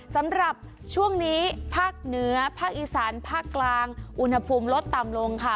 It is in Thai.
สำหรับช่วงนี้ภาคเหนือภาคอีสานภาคกลางอุณหภูมิลดต่ำลงค่ะ